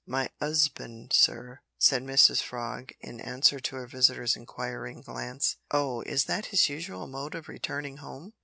"My 'usband, sir," said Mrs Frog, in answer to her visitor's inquiring glance. "Oh! is that his usual mode of returning home?"